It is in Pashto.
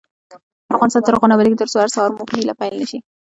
افغانستان تر هغو نه ابادیږي، ترڅو هر سهار مو په هیله پیل نشي.